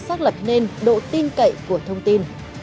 xác lập lên độ tin cậy của thông tin